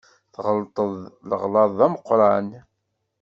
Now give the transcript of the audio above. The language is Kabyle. Tɣelṭeḍ leɣlaḍ d ameqqran.